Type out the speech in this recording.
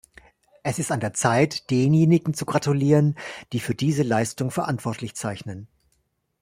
Es ist an der Zeit, denjenigen zu gratulieren, die für diese Leistung verantwortlich zeichnen.